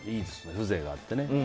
風情があって。